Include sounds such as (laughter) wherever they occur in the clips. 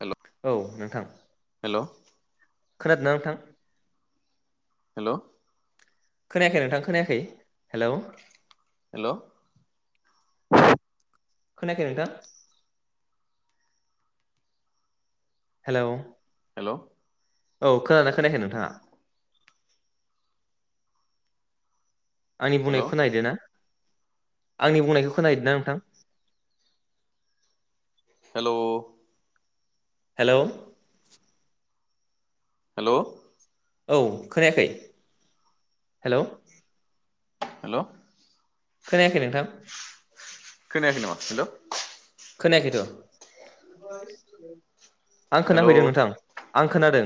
हेल' औ नोंथां। हेल' खोनादोंना नोंथां। हेल खोनायाखै नोंथां खोनायाखै हेलौ। हेल (unintelligible) खोनायाखै नोंथां। हेलौ हेल औ खोना दोंना खोनायाखै नोंथाङा? आंनि बुंनायखौ खोना हैदो ना? आंनि बुंनायखौ खोनाहैदोंना नोंथां? हेल हेलौ हेल औ खोनायाखै हेलौ। हेल खोनायाखै नोंथां। खोनायाखै नामा? हेल खोनायाखैथ। आं हेल' खोनाफैदों नोंथां। आं खोनादों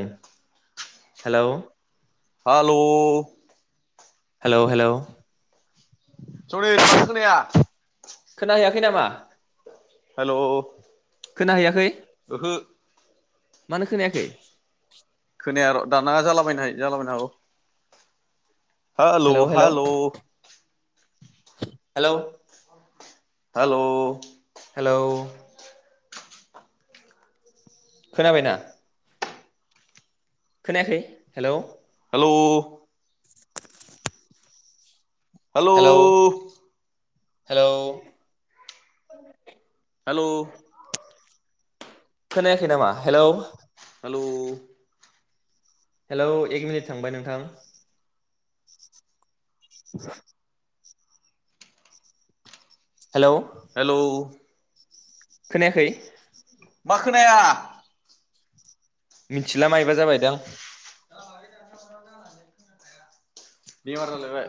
हेलौ। हाल हेलौ हेलौ सलिद मानो खोनाया? खोना हैयाखै नामा? हेल खोनाहैयाखै। ओहो मानो खोनायाखै खोनाया र दानाङा जालाबायनाय जाला बायनो हागौ। हाल हेलौ हेलौ हाल। हेलौ हाल हेलौ खोनाबायना? खोनायाखै हेलौ। हेल (inaudible) हेलौ हेलौ हेलौ खोनायाखै नामा हेलौ हेलौ हेलौ एक मिनिट थांबाय नोंथां (inaudible) हेलौ हेलौ खोनायाखै मा खोनाया मिथिला मायबा जाबाय दां (unintelligible) बेमार जालायबाय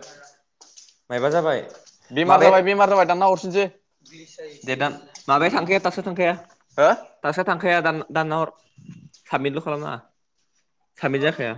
मायबा जाबाय बेमार माबाया जाबाय बेमार जाबाय दाना हरफिन (unintelligible) दे दान माबाया थांखाया दाससा थांखाया हो थासासोआ थांखाया दान हर साबमिटल खालामा साबमिट जाखाया